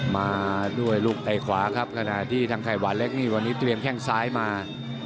มาด้วยลูกไต่ขวาครับขณะที่ทางไข่หวานเล็กนี่วันนี้เตรียมแข้งซ้ายมา